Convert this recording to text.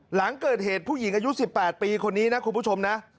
หลังเกิดเหตุผู้หญิงอายุ๑๘ปีคนนี้นะคุณผู้ชมนะ